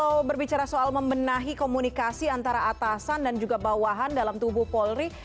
kalau berbicara soal membenahi komunikasi antara atasan dan juga bawahan dalam tubuh polri